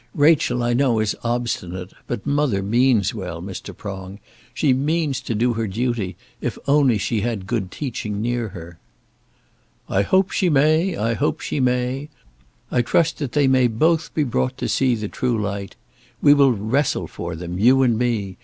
Rachel I know is obstinate, but mother means well, Mr. Prong. She means to do her duty, if only she had good teaching near her." "I hope she may, I hope she may. I trust that they may both be brought to see the true light. We will wrestle for them, you and me.